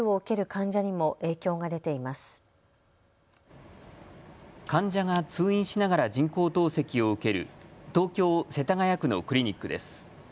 患者が通院しながら人工透析を受ける東京・世田谷区のクリニックです。